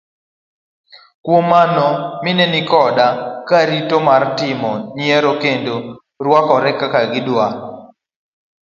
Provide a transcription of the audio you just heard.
Kuom mano mine nikoda ratiro mar timo yiero kendo ruakore kaka gi dwaro.